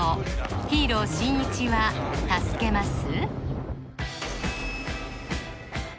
ヒーローしんいちは助けます？